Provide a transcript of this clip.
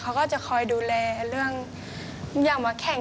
เขาก็จะคอยดูแลเรื่องอยากมาแข่ง